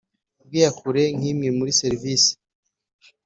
Bw iyakure nk imwe muri serivisi